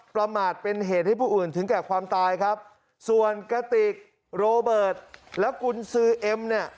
ประมาทเป็นเหตุให้ผู้อื่นถึงแก่ความตายครับส่วนกระติกโรเบิร์ตและกุญซือเอ็มเนี่ย